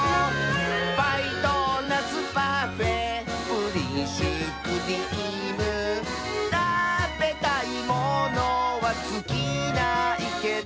「パイドーナツパフェプリンシュークリーム」「たべたいものはつきないけど」